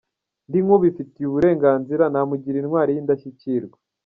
Ndi nk’ubifitiye uburenganzira, namugira intwari y’indashyikirwa.